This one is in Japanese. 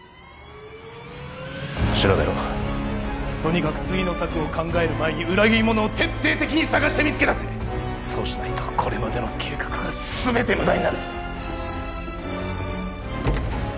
調べろとにかく次の策を考える前に裏切り者を徹底的に探して見つけ出せそうしないとこれまでの計画が全て無駄になるぞ